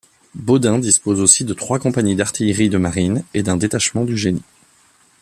Baudin dispose aussi de trois compagnies d’artillerie de marine et d’un détachement du Génie.